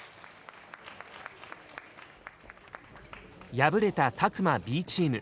敗れた詫間Ｂチーム。